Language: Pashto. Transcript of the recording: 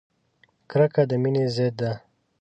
کرکه د مینې ضد ده!